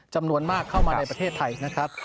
จำนวนมากเข้ามาในประเทศไทยนะครับ